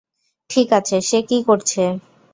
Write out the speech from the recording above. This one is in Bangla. ঠিক আছে - সে কি করছে?